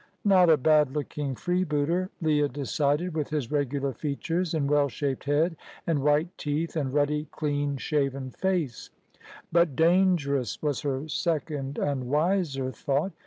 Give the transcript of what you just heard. Not a bad looking freebooter, Leah decided, with his regular features, and well shaped head, and white teeth, and ruddy clean shaven face; but dangerous, was her second and wiser thought.